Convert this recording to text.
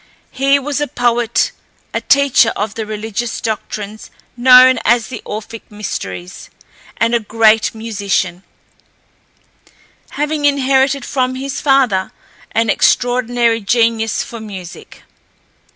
He was a poet, a teacher of the religious doctrines known as the Orphic mysteries, and a great musician, having inherited from his father an extraordinary genius for music.